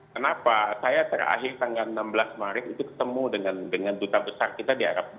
kenapa saya terakhir tanggal enam belas maret itu ketemu dengan duta besar kita di arab